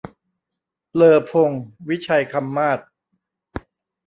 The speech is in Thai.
เลอพงศ์ วิชัยคำมาศ